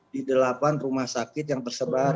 di delapan rumah sakit yang tersebar